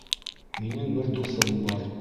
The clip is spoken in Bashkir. Минең бер дуҫым бар.